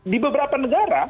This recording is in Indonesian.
di beberapa negara